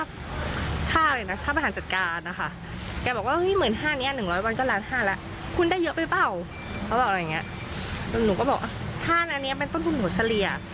ภารจัดการนะคะแกบอกว่าเห้ย๑๕๐๐๐นี้๑๐๐บาทก็ล้านค่าแล้วคุณได้เยอะไปเปล่า